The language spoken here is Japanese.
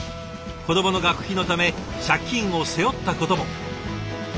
子どもの学費のため借金を背負ったことも。